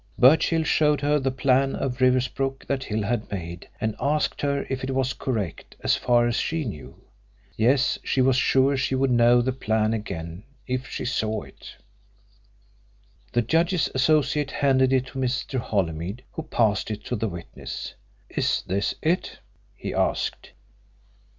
Birchill showed her the plan of Riversbrook that Hill had made, and asked her if it was correct as far as she knew. Yes, she was sure she would know the plan again if she saw it. The judge's Associate handed it to Mr. Holymead, who passed it to the witness. "Is this it?" he asked.